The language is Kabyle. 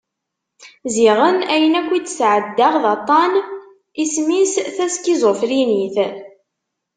Ziɣen ayen akk i d-sɛeddaɣ d aṭan isem-is taskiẓufrinit.